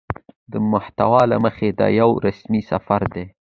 د محتوا له مخې دا يو رسمي سفر دى